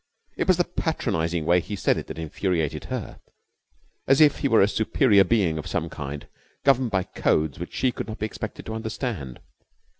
It was the patronizing way he had said it that infuriated her, as if he were a superior being of some kind, governed by codes which she could not be expected to understand.